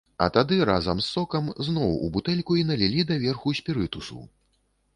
А тады, разам з сокам, зноў у бутэльку і налі даверху спірытусу.